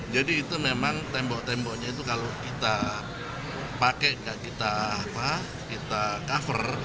jadi itu memang tembok temboknya itu kalau kita pakai kita cover